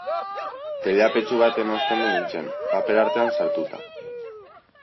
Teilapetxu batean ostendu nintzen, paper artean sartuta.